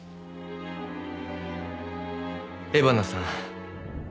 江花さん。